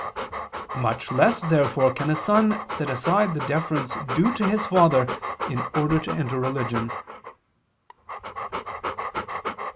Much less therefore can a son set aside the deference due to his father in order to enter religion.